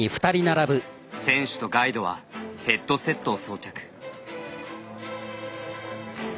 選手とガイドはヘッドセットを装着。